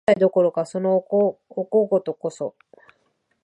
狂うみたいになり、口応えどころか、そのお小言こそ、